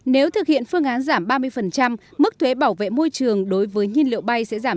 nếu thực hiện phương án giảm ba mươi mức thuế bảo vệ môi trường đối với nhiên liệu bay sẽ giảm